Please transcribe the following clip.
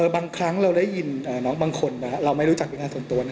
บางครั้งเราได้ยินบางคนเราไม่รู้จักพิมพ์ส่วนตัว